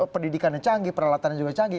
pendidikannya canggih peralatannya juga canggih